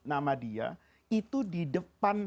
nama dia itu di depan